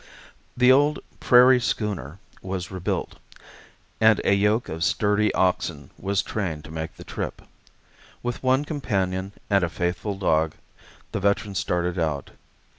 An old "prairie schooner" was rebuilt, and a yoke of sturdy oxen was trained to make the trip. With one companion and a faithful dog, the veteran started out.